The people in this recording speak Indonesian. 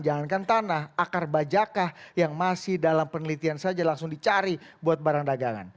jangankan tanah akar bajakah yang masih dalam penelitian saja langsung dicari buat barang dagangan